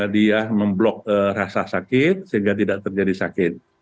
dia memblok rasa sakit sehingga tidak terjadi sakit